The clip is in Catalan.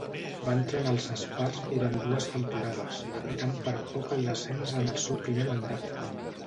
Va entrenar als Spurs durant dues temporades, evitant per poc el descens en el seu primer mandat.